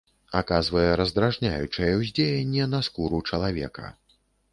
Аказвае раздражняючае ўздзеянне на скуру чалавека.